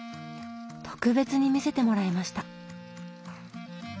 特別に見せてもらいました！